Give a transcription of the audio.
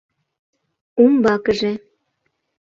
Умбакыже...